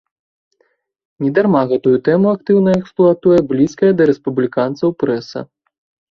Не дарма гэтую тэму актыўна эксплуатуе блізкая да рэспубліканцаў прэса.